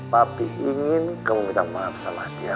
papi ingin kamu minta maaf sama dia